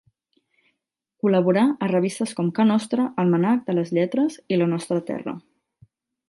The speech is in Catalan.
Col·laborà a revistes com Ca Nostra, Almanac de les Lletres i La Nostra Terra.